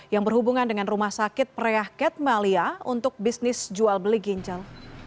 yang berhubungan dengan rumah sakit preah ketmalia untuk bisnis jual beli ginjal